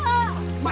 lari sini pak